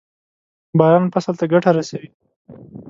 باران فصل ته ګټه رسوي.